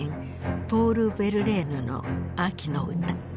ポール・ヴェルレーヌの「秋の歌」。